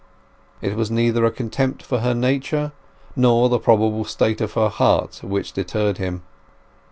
It was neither a contempt for her nature, nor the probable state of her heart, which deterred him.